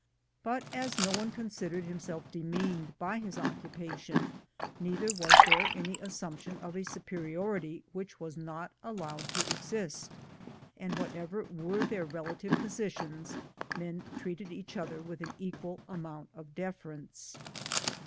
But as no one considered himself demeaned by his occupation, neither was there any assumption of a superiority which was not allowed to exist; and what ever were their relative positions, men treated each other with an equal amount of deference.